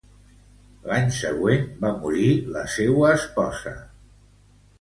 L'any següent, va morir la seua esposa.